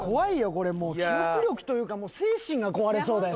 これもう記憶力というかもう精神が壊れそうだよ